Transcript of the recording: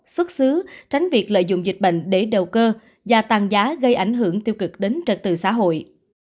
xuất xứ tránh việc lợi dụng dịch bệnh để đầu cơ gia tăng giá gây ảnh hưởng tiêu cực đến trật tự xã hội